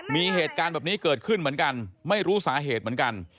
มีเหตุการณ์แบบนี้เกิดขึ้นเหมือนกันไม่รู้สาเหตุเหมือนกัน